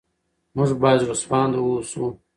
موږ باید زړه سوانده اوسو.